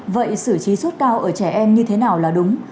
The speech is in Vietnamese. vậy xử trí suốt cao ở trẻ em như thế nào là đúng